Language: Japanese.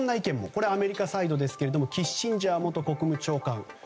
これはアメリカサイドですがキッシンジャー元国務長官。